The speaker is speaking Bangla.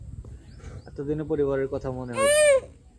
এতদিনে পরিবারের কথা মনে হয়েছে।